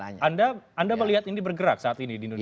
anda melihat ini bergerak saat ini di indonesia